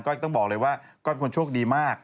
ต้องบอกเลยว่าก้อยเป็นคนโชคดีมาก